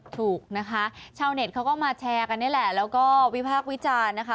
ถูกนะคะชาวเน็ตเขาก็มาแชร์กันนี่แหละแล้วก็วิพากษ์วิจารณ์นะคะ